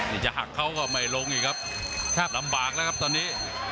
นี่จะหักเขาก็ไม่ลงอีกครับแทบลำบากแล้วครับตอนนี้